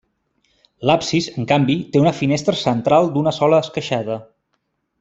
L'absis, en canvi, té una finestra central d'una sola esqueixada.